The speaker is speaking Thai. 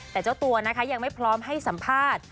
แต่เจ้าตัวนะคะยังไม่พร้อมให้สัมภาษณ์